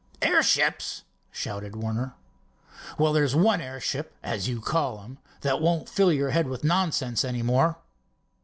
"Airships!" shouted Warner. "Well, there's one airship, as you call 'em, that won't fill your head with nonsense any more."